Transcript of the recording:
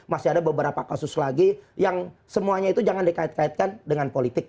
masih ada beberapa kasus lagi yang semuanya itu jangan dikait kaitkan dengan politik